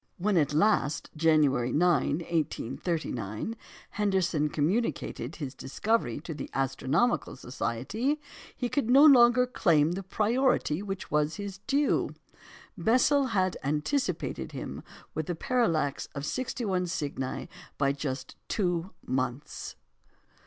When at last, January 9, 1839, Henderson communicated his discovery to the Astronomical Society, he could no longer claim the priority which was his due. Bessel had anticipated him with the parallax of 61 Cygni by just two months.